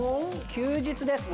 休日ですね。